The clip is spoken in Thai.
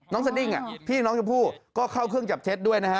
สดิ้งพี่น้องชมพู่ก็เข้าเครื่องจับเท็จด้วยนะฮะ